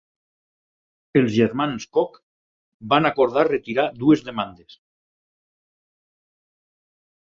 Els germans Koch van acordar retirar dues demandes.